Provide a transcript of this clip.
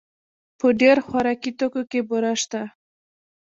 په ډېر خوراکي توکو کې بوره شته.